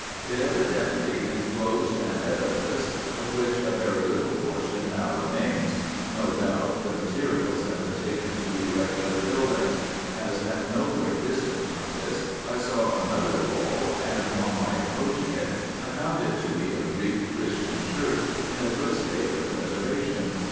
It evidently enclosed an edifice, of which a very little portion now remains ; no doubt the materials have been taken to erect other buildings, as at no great distance from this I saw another wall, and on my approaching it I found it to be a Greek Christian church, in a good state of preservation.